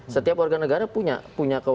setiap warga negara punya kewenangan untuk punya